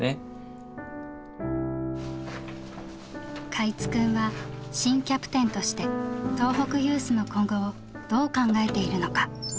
海津くんは新キャプテンとして東北ユースの今後をどう考えているのか。